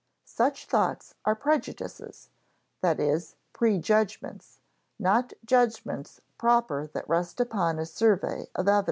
Such thoughts are prejudices, that is, prejudgments, not judgments proper that rest upon a survey of evidence.